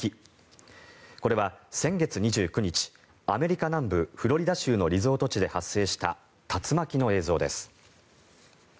これは先月２９日アメリカ南部フロリダ州のリゾート地で発生した竜巻の映像です。